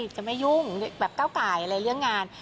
จะไม่ยุ่งแบบก้าวไก่อะไรเรื่องงาน